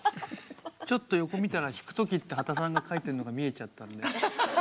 ちょっと横見たら「引く時」って刄田さんが書いてるのが見えちゃったんで。